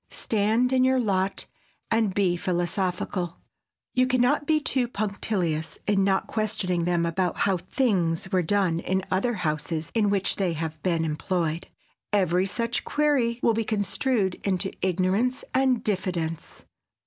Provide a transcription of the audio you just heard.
Stand in your lot and be philosophical. You can not be too punctilious in not questioning them about how "things" were done in other houses in which they have been employed. Every such query will be construed into ignorance and diffidence.